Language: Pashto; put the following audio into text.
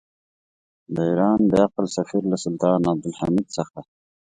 د ایران بې عقل سفیر له سلطان عبدالحمید څخه.